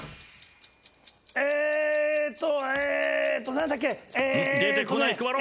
えっとえ。